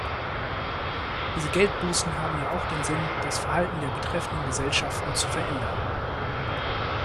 Diese Geldbußen haben ja auch den Sinn, das Verhalten der betreffenden Gesellschaften zu verändern.